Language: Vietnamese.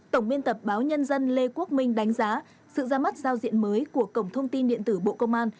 tổng biên tập báo nhân dân lê quốc minh đánh giá sự ra mắt giao diện mới của cổng thông tin điện tử bộ công an